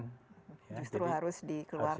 justru harus dikeluarkan